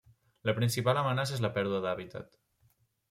La principal amenaça és la pèrdua d'hàbitat.